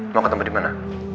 mau ketemu dimana